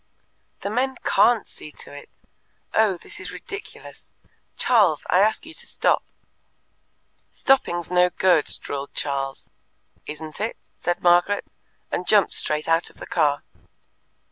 "The men CAN'T see to it. Oh, this is ridiculous! Charles, I ask you to stop." "Stopping's no good," drawled Charles. "Isn't it?" said Margaret, and jumped straight out of the car.